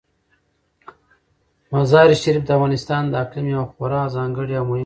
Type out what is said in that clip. مزارشریف د افغانستان د اقلیم یوه خورا ځانګړې او مهمه ځانګړتیا ده.